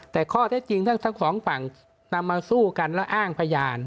แต่ข้อเท็จจริงทั้งสองฝั่งนำมาสู้กันและอ้างพยาน